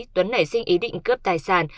tuấn nảy sinh ý định cướp tài sản